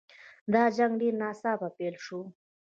دا جنګ ډېر ناڅاپه پیل شو.